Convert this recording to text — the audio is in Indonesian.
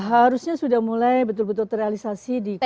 harusnya sudah mulai betul betul terrealisasi di kuartal satu